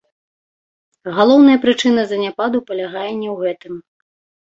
Галоўная прычына заняпаду палягае не ў гэтым.